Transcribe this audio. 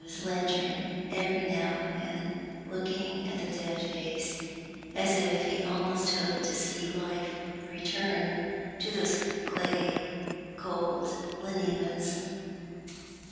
s lantern every now and then, looking at the dead face as if he almost hoped to see life return to those clay cold lineaments.